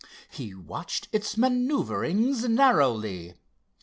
He watched its maneuvering narrowly.